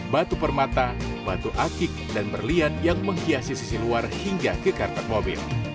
batu permata batu akik dan berlian yang menghiasi sisi luar hingga ke karpet mobil